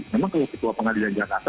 memang kalau ketua pengadilan jakarta